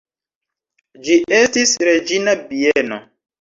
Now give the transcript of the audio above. Ĝi estis reĝina bieno.